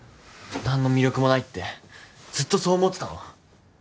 何の魅力もないってずっとそう思ってたの？